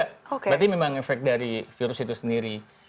berarti memang efek dari virus itu sendiri